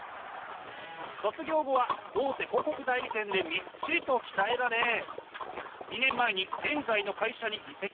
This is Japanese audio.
卒業後は大手広告代理店でみっちりと鍛えられ２年前に現在の会社に移籍。